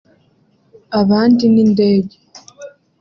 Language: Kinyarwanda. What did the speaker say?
abandi n’indege